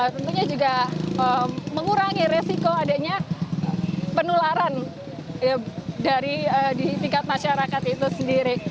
tentunya juga mengurangi resiko adanya penularan di tingkat masyarakat itu sendiri